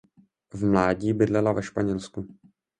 V mládí bydlela ve Španělsku.